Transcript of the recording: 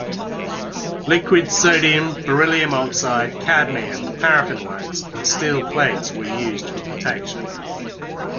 Liquid sodium, beryllium oxide, cadmium, paraffin wax and steel plates were used for protection.